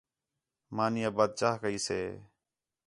مانی آ بعد چاہ کَئی سے